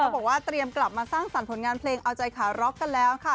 บอกว่าเตรียมกลับมาสร้างสรรค์ผลงานเพลงเอาใจขาร็อกกันแล้วค่ะ